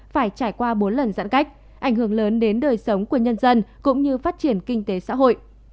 phải trải qua bốn lần giãn cách ảnh hưởng lớn đến đời sống của nhân dân cũng như phát triển kinh tế xã hội